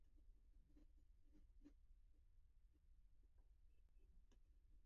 کروشیا مرسینجا Pozega club کا کھلاڑی سینے پر گیند لگنے سے ہلاک